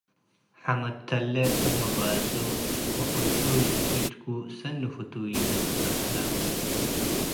ሐመድ ተሌ እብ መባልሱ ወፍንቱይ ህጅኩ ሰኒ ፍቱይ ነብር ዐለ።